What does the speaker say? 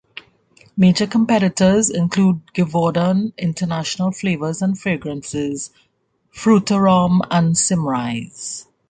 Major competitors include Givaudan, International Flavors and Fragrances, Frutarom and Symrise.